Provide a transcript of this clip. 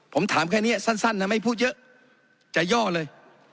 ผมถามแค่นี้สั้นนะไม่พูดเยอะจะย่อเลย